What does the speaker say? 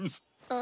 あ？